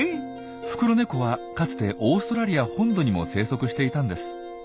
フクロネコはかつてオーストラリア本土にも生息していたんです。